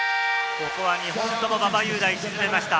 ここは２本とも馬場雄大が沈めました。